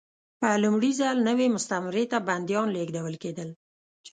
په لومړي ځل نوې مستعمرې ته بندیان لېږدول کېدل.